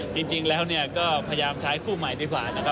จริงแล้วก็พยายามใช้สตาร์ทคู่ใหม่ได้กว่า